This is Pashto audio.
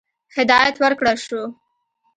هدایت ورکړه شو.